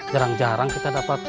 jarang jarang kita dapat